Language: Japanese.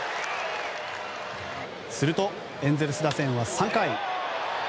すると、エンゼルス打線は３回。